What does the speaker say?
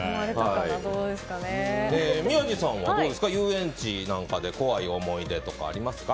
宮司さんは遊園地なんかで怖い思い出とかありますか？